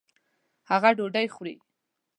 هغه ډوډۍ خوري